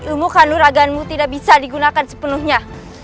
umuh kandung ragaanmu tidak bisa digunakan sepenuhnya